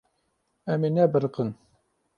Em ê nebiriqin.